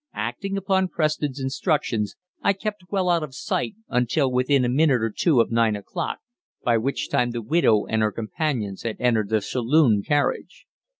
Acting upon Preston's instructions I kept well out of sight until within a minute or two of nine o'clock, by which time the widow and her companions had entered their saloon carriage.